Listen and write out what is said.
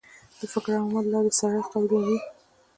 د فکر او عمل لار سړی قایلوي.